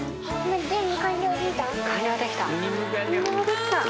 完了できた。